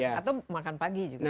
atau makan pagi juga